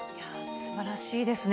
すばらしいですね。